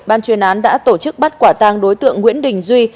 ban chuyên án đã tổ chức bắt quả tang đối tượng nguyễn đình duy